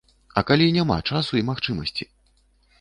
А калі няма часу і магчымасці?